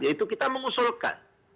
yaitu kita mengusulkan